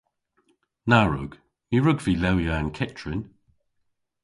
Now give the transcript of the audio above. Na wrug. Ny wrug vy lewya an kyttrin.